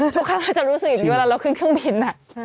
ทุกครั้งเราจะรู้สึกอย่างนี้เวลาเราขึ้นเครื่องบิน